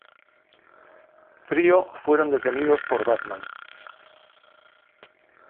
Frío fueron detenidos por Batman.